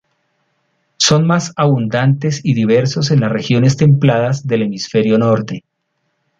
Son más abundantes y diversos en las regiones templadas del hemisferio norte.